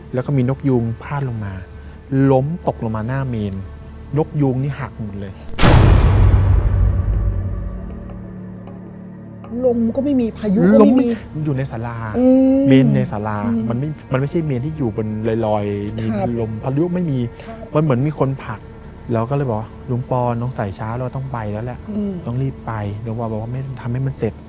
แล้วแหละอืมต้องรีบไปหรือว่าบอกว่าไม่ต้องทำให้มันเสร็จ